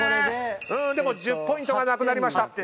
でも１０ポイントがなくなりました。